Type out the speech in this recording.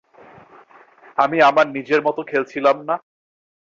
আমি আমার নিজের মতো খেলছিলাম না?